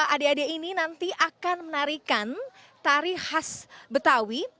adek adek ini nanti akan menarikan tari khas betawi